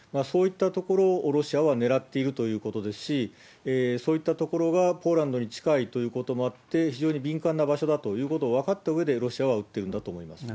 そういったところをロシアは狙っているということですし、そういった所がポーランドに近いということも、非常に敏感な場所だということを分かったうえで、ロシアは打っているんだと思います。